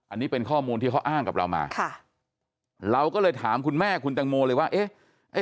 อันนี้เป็นข้อมูลที่เขาอ้างกับเรามาค่ะเราก็เลยถามคุณแม่คุณตังโมเลยว่าเอ๊ะ